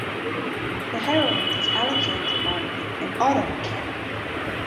The heroine is Alexandra Barnaby, an auto mechanic.